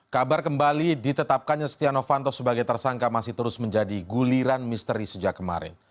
kabar kembali ditetapkannya setia novanto sebagai tersangka masih terus menjadi guliran misteri sejak kemarin